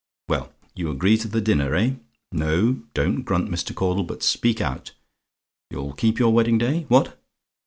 Well, you agree to the dinner, eh? Now, don't grunt, Mr. Caudle, but speak out. You'll keep your wedding day? What?